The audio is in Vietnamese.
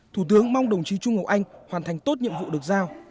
thủ tướng mong đồng chí trung ngọc anh hoàn thành tốt nhiệm vụ được giao